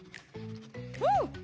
うん！